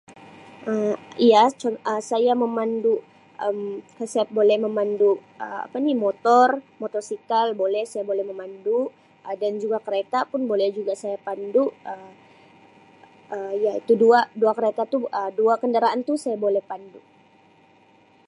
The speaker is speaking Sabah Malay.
Um Ya, [unintelligible] saya memandu, Um saya boleh memandu Um apa ni motor, motorsikal boleh, saya boleh memandu, Um dan juga kereta pun boleh juga saya pandu Um ya itu dua, dua kereta tu Um dua kenderaan tu saya boleh pandu.